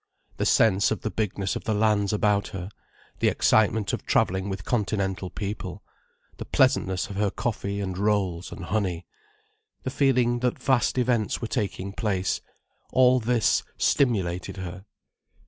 The sense of the bigness of the lands about her, the excitement of travelling with Continental people, the pleasantness of her coffee and rolls and honey, the feeling that vast events were taking place—all this stimulated her.